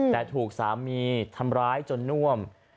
แต่ถูกสามีทำร้ายจนน่วม